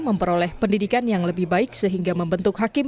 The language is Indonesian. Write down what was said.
memperoleh pendidikan yang lebih baik sehingga membentuk hakim